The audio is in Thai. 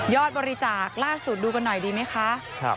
บริจาคล่าสุดดูกันหน่อยดีไหมคะ